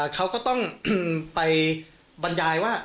เขาก็ต้องไปบรรยายว่า